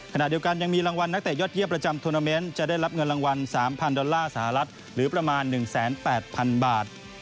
ขณะเดียวกันยังมีรางวัลนักเตะยอดเยี่ยมประจำทวนาเมนต์จะได้รับเงินรางวัล๓๐๐ดอลลาร์สหรัฐหรือประมาณ๑๘๐๐๐บาท